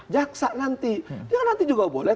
jaksa nanti ya nanti juga boleh